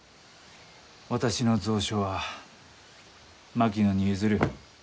私の蔵書は槙野に譲る。